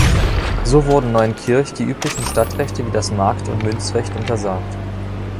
So wurden Neunkirch die üblichen Stadtrechte wie das Markt- und Münzrecht untersagt.